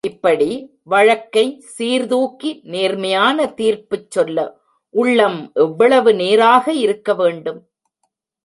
இப்படி வழக்கைச் சீர்தூக்கி நேர்மையான தீர்ப்புச் சொல்ல உள்ளம் எவ்வளவு நேராக இருக்க வேண்டும்.